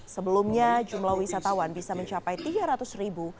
sebelumnya jumlah wisatawan bisa mencapai rp tiga ratus